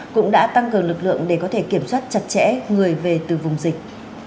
cũng đã tăng cường lực lượng để có thể kiểm soát chặt chẽ người về từ vùng dịch